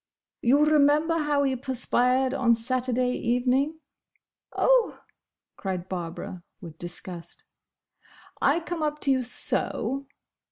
"You remember how we perspired on Saturday evening?" "Oh!" cried Barbara, with disgust. "I come up to you—so."